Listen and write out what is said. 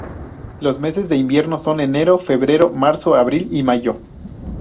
Los meses de invierno son enero, febrero, marzo, abril y mayo.